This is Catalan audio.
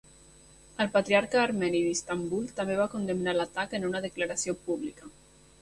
El Patriarca Armeni d'Istanbul també va condemnar l'atac en una declaració pública.